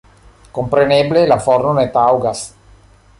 Kompreneble la forno ne taŭgas.